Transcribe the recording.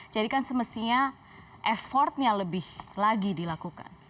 jadi kan semestinya effortnya lebih lagi dilakukan